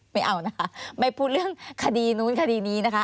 ไม่เอานะคะไม่พูดเรื่องคดีนู้นคดีนี้นะคะ